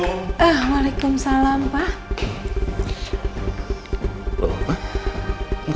waalaikumsalam pak waalaikumsalam pak waalaikumsalam pak